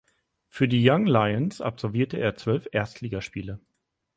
Für die Young Lions absolvierte er zwölf Erstligaspiele.